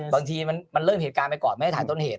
บางทีมันเริ่มเหตุการณ์ไปก่อนไม่ได้ถ่ายต้นเหตุ